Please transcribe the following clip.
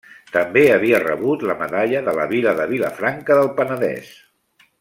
També havia rebut la Medalla de la Vila de Vilafranca del Penedès.